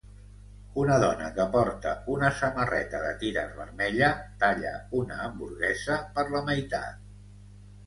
Una dona que porta una samarreta de tires vermella talla una hamburguesa per la meitat.